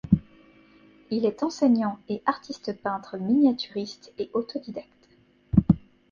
Il est enseignant et artiste-peintre miniaturiste et autodidacte.